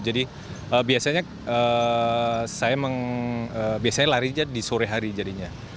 jadi biasanya saya lari di sore hari jadinya